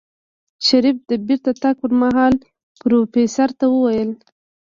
شريف د بېرته تګ پر مهال پروفيسر ته وويل.